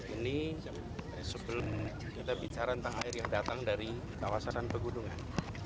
ini sebelum kita bicara tentang air yang datang dari kawasan pegunungan